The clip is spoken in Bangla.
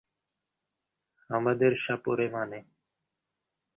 আমাদের সাপুড়ে মানে?